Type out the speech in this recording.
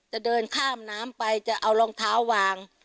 จะเดินข้ามน้ำไปจะเอารองเท้าวาง